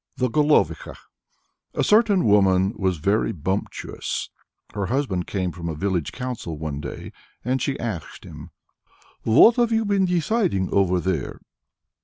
THE GOLOVIKHA. A certain woman was very bumptious. Her husband came from a village council one day, and she asked him: "What have you been deciding over there?"